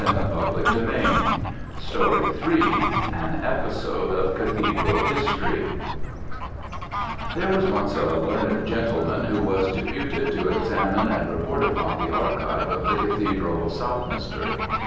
AN EPISODE OF CATHEDRAL HISTORY AN EPISODE OF CATHEDRAL HISTORY There was once a learned gentleman who was deputed to examine and report upon the archives of the Cathedral of Southminster.